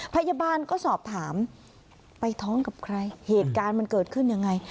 พยาบาลก็สอบถามไปท้องกับใครเหตุการณ์มันเกิดขึ้นยังไง